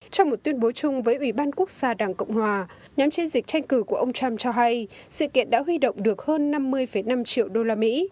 trong một tuyên bố chung với ủy ban quốc gia đảng cộng hòa nhóm chiến dịch tranh cử của ông trump cho hay sự kiện đã huy động được hơn năm mươi năm triệu đô la mỹ